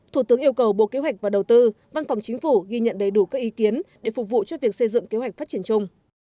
thủ tướng yêu cầu bộ kế hoạch và đầu tư văn phòng chính phủ ghi nhận đầy đủ các ý kiến để phục vụ cho việc xây dựng kế hoạch phát triển chung